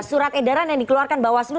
surat edaran yang dikeluarkan bawaslu